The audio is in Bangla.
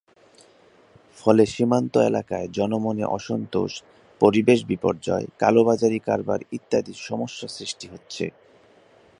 ফলে সীমান্ত এলাকায় জনমনে অসন্তোষ, পরিবেশ বিপর্যয়, কালোবাজারি কারবার ইত্যাদি সমস্যা সৃষ্টি হচ্ছে।